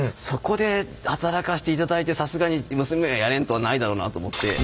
そこで働かせていただいてさすがに娘はやれんとはないだろうなと思って。